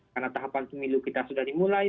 karena tahapan pemilu kita sudah dimulai